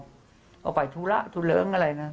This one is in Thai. เอาไปธุระทุเลิ้งอะไรนะ